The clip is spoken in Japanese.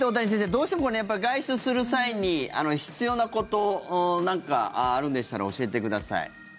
どうしても外出する際に必要なこと、何かあるんでしたら教えてください。